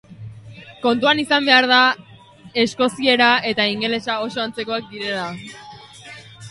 Kontuan izan behar da eskoziera eta ingelesa oso antzekoak direla.